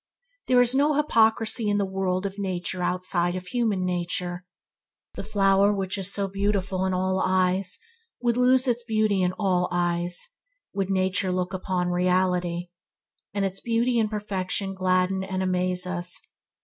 There is no hypocrisy in the world of nature outside of human nature. The flower which is so beautiful in all eyes would lose its beautify in all eyes would nature we look upon reality, and its beauty and perfection gladden and amaze us.